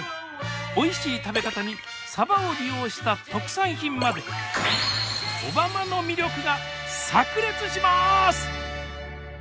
おいしい食べ方にサバを利用した特産品まで小浜の魅力がさく裂します。